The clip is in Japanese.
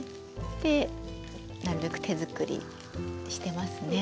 でなるべく手作りにしてますね。